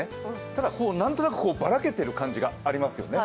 ただ、何となくばらけている感じがありますよね。